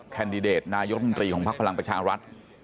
แคนดิเดตนายกมิตรีของพลังประชารัฐ